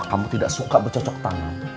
kamu tidak suka bercocok tangan